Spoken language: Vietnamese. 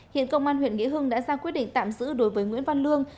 hiện công an huyện nghĩa hưng đã ra quyết định tạm giữ đối với nguyễn văn lương